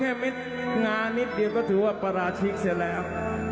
ถ้าเอาไปแค่เม็ดงานิดเดียวก็ถือว่าปราชิกเสียแล้ว